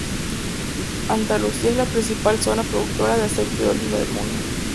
Andalucía es la principal zona productora de aceite de oliva del mundo.